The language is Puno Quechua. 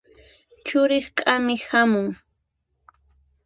Churin k'amiq hamun.